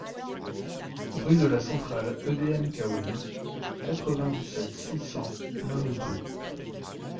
RUE DE LA CENTRALE EDM KAWEN, quatre-vingt-dix-sept, six cents Mamoudzou